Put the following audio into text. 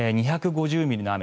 ２５０ミリの雨